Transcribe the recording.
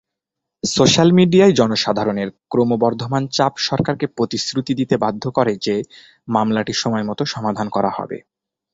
Social মিডিয়ায় জনসাধারণের ক্রমবর্ধমান চাপ সরকারকে প্রতিশ্রুতি দিতে বাধ্য করে যে মামলাটি সময়মতো সমাধান করা হবে।